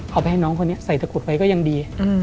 เอาไปให้น้องคนนี้ใส่ตะกรุดไว้ก็ยังดี